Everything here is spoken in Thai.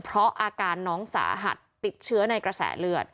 เพราะอาการน้องสาหัสติดเชื้อในกระแสเลือด